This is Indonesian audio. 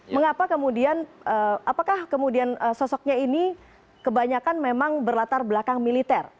mengapa kemudian apakah kemudian sosoknya ini kebanyakan memang berlatar belakang militer